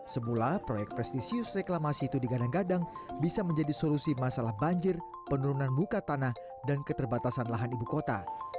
semula proyek prestisius reklamasi itu digadang gadang bisa menjadi solusi masalah banjir penurunan muka tanah dan keterbatasan lahan ibu kota